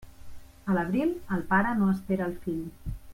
A l'abril, el pare no espera el fill.